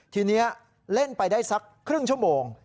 ทีนี้เล่นไปได้สักครึ่งชั่วโมง